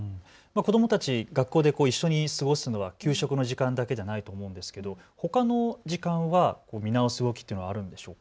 子どもたち、学校で一緒に過ごすのは給食の時間だけじゃないと思うんですけど、ほかの時間は見直す動きというのはあるんでしょうか。